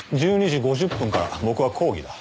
１２時５０分から僕は講義だ。